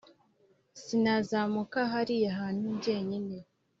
Sinazamuka hariya hantu ngenyine